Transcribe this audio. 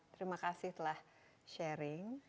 terima kasih telah sharing